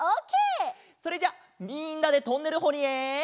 それじゃあみんなでトンネルほりへ。